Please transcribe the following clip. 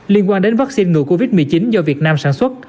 liên quan đến vaccine ngừa covid một mươi chín do việt nam sản xuất